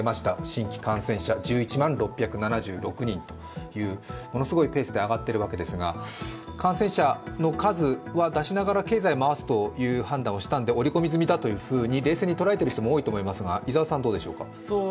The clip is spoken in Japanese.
新規感染者１１万６７６人というものすごいペースで上がっているわけですが、感染者の数は出しながら経済を回すという判断をしたので織り込み済みだというふうに冷静に捉えている人も多いと思いますが、伊沢さん、どうでしょうか。